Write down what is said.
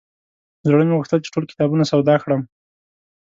زړه مې غوښتل چې ټول کتابونه سودا کړم.